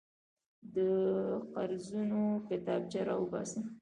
د قرضونو کتابچه راوباسه.